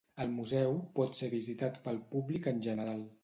El Museu pot ser visitat pel públic en general.